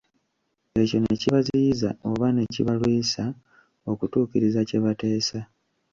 Ekyo ne kibaziyiza oba ne kibalwisa okutuukiriza kye bateesa.